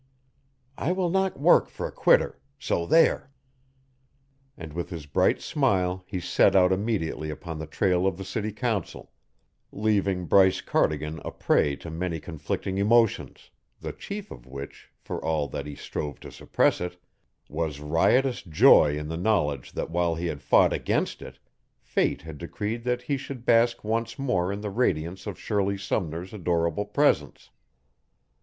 "I will not work for a quitter so, there!" And with his bright smile he set out immediately upon the trail of the city council, leaving Bryce Cardigan a prey to many conflicting emotions, the chief of which, for all that he strove to suppress it, was riotous joy in the knowledge that while he had fought against it, fate had decreed that he should bask once more in the radiance of Shirley Sumner's adorable presence.